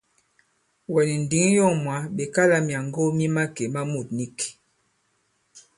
Wɛ̀ nì ǹndǐŋ yɔ̂ŋ mwǎ ɓe kalā myàŋgo mi màkè ma mût nīk.